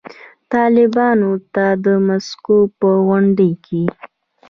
طالبانو ته د مسکو په غونډه کې